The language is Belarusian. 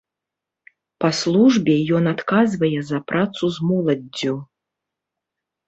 Па службе ён адказвае за працу з моладдзю.